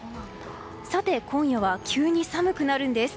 さて、今夜は急に寒くなるんです。